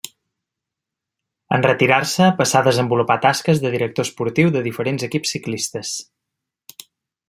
En retirar-se passà a desenvolupar tasques de director esportiu de diferents equips ciclistes.